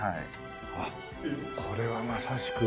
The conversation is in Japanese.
あっこれはまさしく。